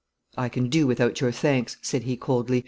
'I can do without your thanks,' said he coldly.